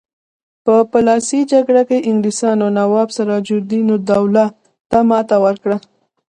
په پلاسۍ جګړه کې انګلیسانو نواب سراج الدوله ته ماتې ورکړه.